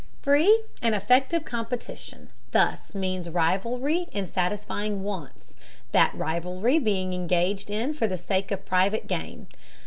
Free and effective competition thus means rivalry in satisfying wants, that rivalry being engaged in for the sake of private gain.